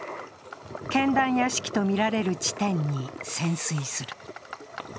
検断屋敷とみられる地点に潜水する。